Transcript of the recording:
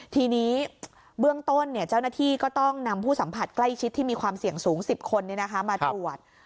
ทีนี้เบื้องต้นเจ้าหน้าที่ก็ต้องนำผู้สัมผัสใกล้ชิดที่มีความเสี่ยงสูง๑๐คนมาตรวจ